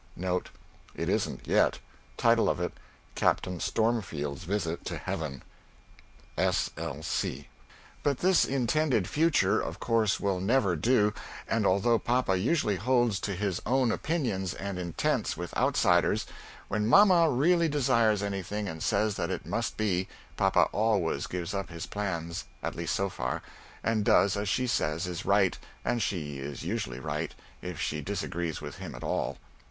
But this intended future of course will never do, and although papa usually holds to his own opinions and intents with outsiders, when mamma realy desires anything and says that it must be, papa allways gives up his plans (at least so far) and does as she says is right (and she is usually right, if she dissagrees with him at all).